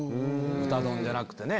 ぶた丼じゃなくてね。